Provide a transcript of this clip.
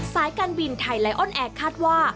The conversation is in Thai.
สายการบินไทยไลออนแอร์คาดว่า